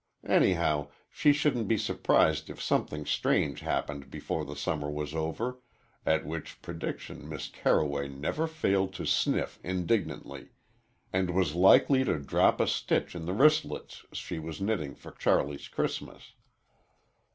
Anyhow, she shouldn't be surprised if something strange happened before the summer was over, at which prediction Miss Carroway never failed to sniff indignantly, and was likely to drop a stitch in the wristlets she was knitting for Charlie's Christmas.